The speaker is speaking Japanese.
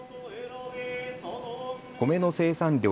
米の生産量